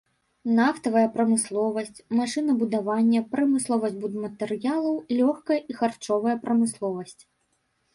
Нафтавая прамысловасць, машынабудаванне, прамысловасць будматэрыялаў, лёгкая і харчовая прамысловасць.